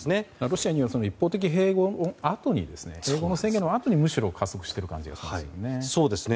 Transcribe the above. ロシアによる一方的な併合宣言のあとにむしろ加速している感じがするんですよね。